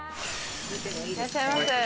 いらっしゃいませ。